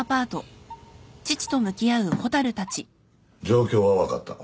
状況は分かった。